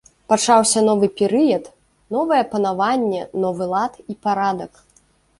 Пачаўся новы перыяд, новае панаванне, новы лад і парадак.